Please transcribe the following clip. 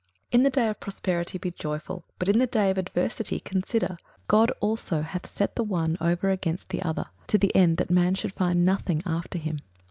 21:007:014 In the day of prosperity be joyful, but in the day of adversity consider: God also hath set the one over against the other, to the end that man should find nothing after him.